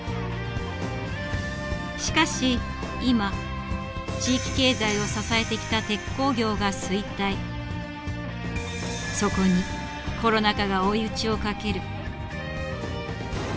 しかし今地域経済を支えてきた鉄鋼業が衰退そこにコロナ禍が追い打ちをかける。